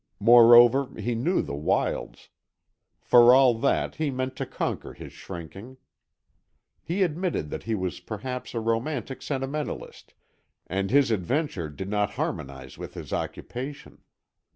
Moreover, he knew the wilds. For all that, he meant to conquer his shrinking. He admitted that he was perhaps a romantic sentimentalist and his adventure did not harmonize with his occupation.